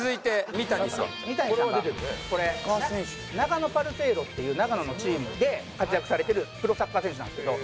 三谷さんがこれ長野パルセイロっていう長野のチームで活躍されてるプロサッカー選手なんですけど。